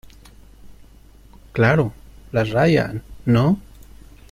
claro, la raya ,¿ no?